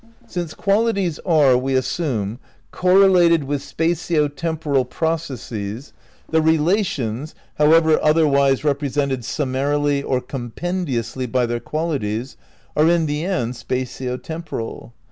"Since qualities are, we assume, correlated with spatio temporal processes, the relations, however otherwise represented summarily or compendiously by their qualities, are in the end spatio temporal.